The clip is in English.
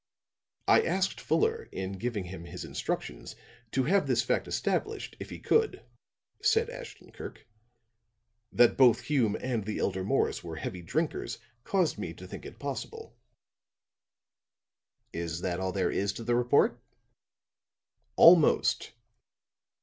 "I asked Fuller, in giving him his instructions, to have this fact established, if he could," said Ashton Kirk. "That both Hume and the elder Morris were heavy drinkers caused me to think it possible." "Is that all there is to the report?" "Almost."